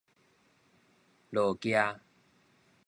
落崎